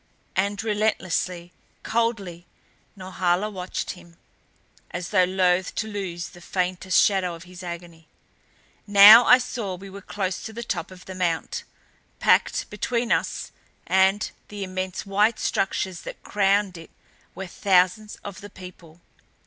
And relentlessly, coldly, Norhala watched him as though loath to lose the faintest shadow of his agony. Now I saw we were close to the top of the mount. Packed between us and the immense white structures that crowned it were thousands of the people.